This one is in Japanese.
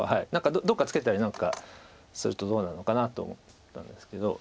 どこかツケたり何かするとどうなるのかなと思ったんですけど。